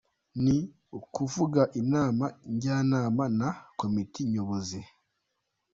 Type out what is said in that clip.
Ni ukuvuga inama njyanama na Komite Nyobozi.